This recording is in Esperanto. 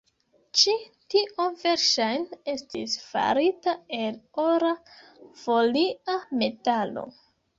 Ĉi tio verŝajne estis farita el ora folia metalo.